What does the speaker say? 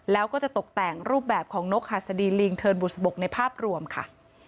แล้วก็จะตกแต่งรูปแบบของนกหัสดีลิงเทินบุษบกในภาพรวมค่ะ